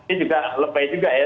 ini juga lebay juga ya